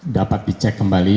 dapat dicek kembali